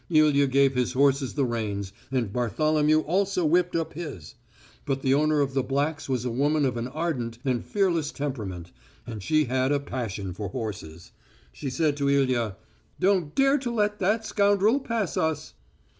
Ilya gave his horses the reins, and Bartholomew also whipped up his. But the owner of the blacks was a woman of an ardent and fearless temperament, and she had a passion for horses. She said to Ilya, "Don't dare to let that scoundrel pass us!"